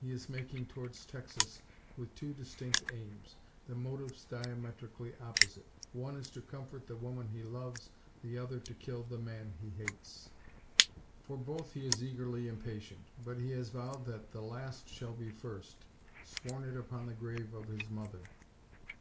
He is making towards Texas with two distinct aims, the motives diametrically opposite. One is to comfort the woman he loves, the other to kill the man he hates. For both he is eagerly impatient; but he has vowed that the last shall be first sworn it upon the grave of his mother.